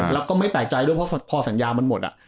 แล้วก็ไม่แปลกใจด้วยเพราะพอสัญญามันหมด